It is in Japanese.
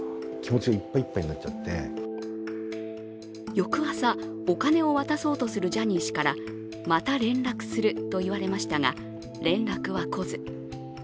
翌朝、お金を渡そうとするジャニー氏から「また連絡する」と言われましたが、連絡は来ず。